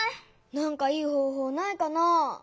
なんかいいほうほうないかな？